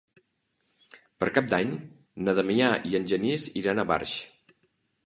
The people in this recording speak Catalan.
Per Cap d'Any na Damià i en Genís iran a Barx.